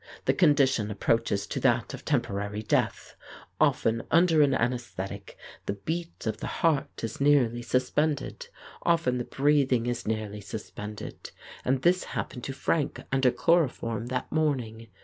The condition approaches to that of temporary death : often under an anaesthetic the beat of the heart is nearly suspended, often the breathing is nearly sus pended, and this happened to Frank under chloro form that morning.